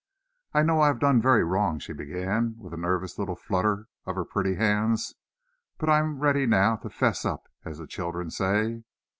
"I know I've done very wrong," she began, with a nervous little flutter of her pretty hands; "but I'm ready now to 'fess up, as the children say."